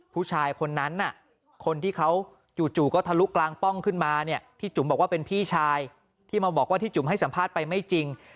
ผู้ชายคนนั้นคนที่เขาจู่ก็ทะลุกลางป้องขึ้นมาเนี่ยที่จุ๋มบอกว่าเป็นพี่ชายที่มาบอกว่าที่จุ๋มให้สัมภาษณ์ไปไม่จริง